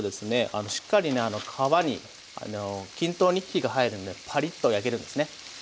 あのしっかりね皮に均等に火が入るんでパリッと焼けるんですね。